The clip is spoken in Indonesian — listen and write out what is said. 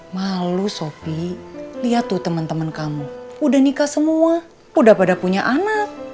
malu sopi lihat tuh temen temen kamu udah nikah semua udah pada punya anak